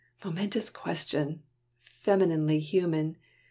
Momentous question! femininely human!